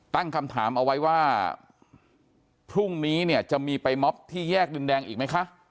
ตั้งคำถามเอาไว้ว่าพรุ่งนี้เนี่ยจะมีไปมอบที่แยกดินแดงอีกไหมคะ